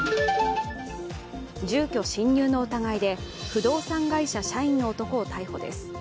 住居侵入の疑いで不動産会社社員の男を逮捕です。